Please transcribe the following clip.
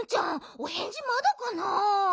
おへんじまだかな？